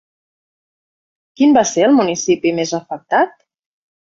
Quin va ser el municipi més afectat?